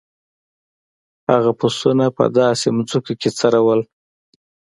هغوی پسونه په داسې ځمکو کې څرول.